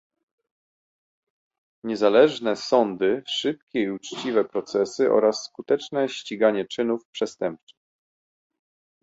niezależne sądy, szybkie i uczciwe procesy oraz skuteczne ściganie czynów przestępczych